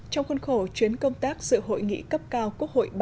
trong khuôn khổ chuyến công tác sự hội nghị cấp cao quốc hội ba mươi